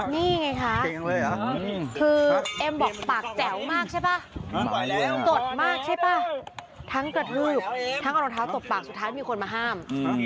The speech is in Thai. นี่ไงคะคือเอ็มบอกปากแจ๋วมากใช่ป่ะจดมากใช่ป่ะทั้งกระทืบทั้งเอารองเท้าตบปากสุดท้ายมีคนมาห้าม